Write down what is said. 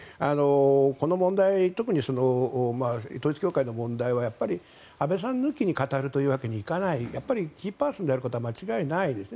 この問題、特に統一教会の問題は安倍さん抜きに語るわけにはいかないキーパーソンであることは間違いないです。